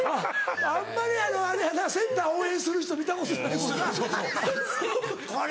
あんまりあれやなセンター応援する人見たことないもんな。